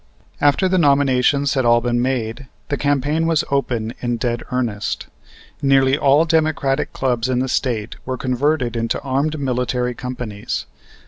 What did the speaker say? After the nominations had all been made, the campaign was opened in dead earnest. Nearly all Democratic clubs in the State were converted into armed military companies.